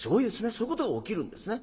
そういうことが起きるんですね。